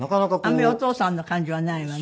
あんまりお父さんの感じはないわね。